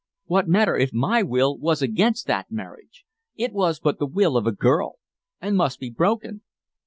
What matter if my will was against that marriage? It was but the will of a girl, and must be broken.